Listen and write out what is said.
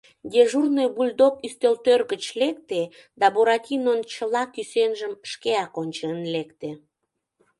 Дежурный бульдог ӱстелтӧр гыч лекте да Буратинон чыла кӱсенжым шкеак ончен лекте.